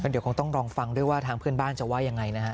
เดี๋ยวคงต้องลองฟังด้วยว่าทางเพื่อนบ้านจะว่ายังไงนะฮะ